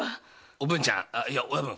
おぶんちゃんいや親分。